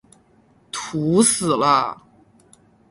土死了！